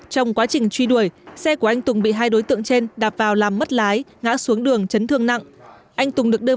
trong quá trình truy đuổi xe của anh tùng bị hai đối tượng trên đạp vào làm mất lái ngã xuống đường chấn thương nặng